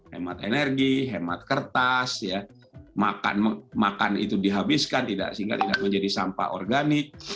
hemat energi hemat kertas makan itu dihabiskan sehingga tidak menjadi sampah organik